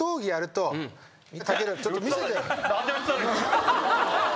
武尊ちょっと見せてよ。